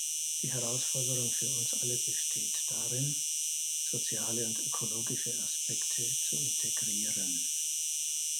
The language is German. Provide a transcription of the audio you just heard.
Die Herausforderung für uns alle besteht darin, soziale und ökologische Aspekte zu integrieren.